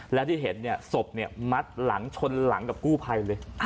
แล้วที่เห็นศพมัดหลังชนหลังกับกู้ภัยเลย